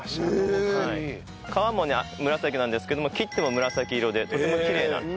皮も紫なんですけど切っても紫色でとてもきれいな。